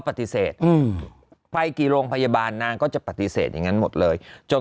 ปฏิเสธอืมไปกี่โรงพยาบาลนางก็จะปฏิเสธอย่างนั้นหมดเลยจน